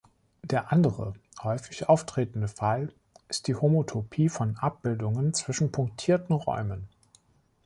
Der andere häufig auftretende Fall ist die Homotopie von Abbildungen zwischen punktierten Räumen.